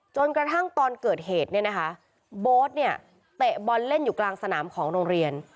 จนกระทั่งตอนเกิดเหตุเนี่ยนะคะโบ๊ทเนี่ยเตะบอลเล่นอยู่กลางสนามของโรงเรียน